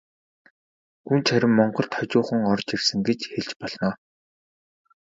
Гүнж харин монголд хожуухан орж ирсэн гэж хэлж болно.